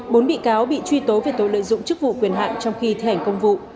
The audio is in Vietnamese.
bốn bị cáo bị truy tố về tội lợi dụng chức vụ quyền hạn trong khi thi hành công vụ